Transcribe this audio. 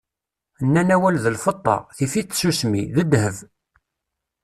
Nnan awal d lfeṭṭa, tif-it tsusmi, d ddheb.